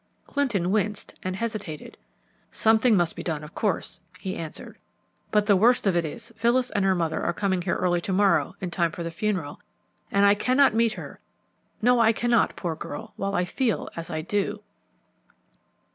Clinton winced and hesitated. "Something must be done, of course," he answered; "but the worst of it is Phyllis and her mother are coming here early to morrow in time for the funeral, and I cannot meet her no, I cannot, poor girl! while I feel as I do."